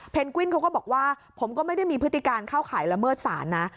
กวินเขาก็บอกว่าผมก็ไม่ได้มีพฤติการเข้าข่ายละเมิดศาลนะ